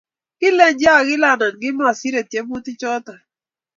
Kilenji agilge anan komasirei tyemutichoto